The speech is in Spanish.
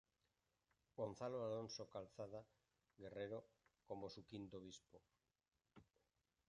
Gonzalo Alonso Calzada Guerrero, como su quinto obispo.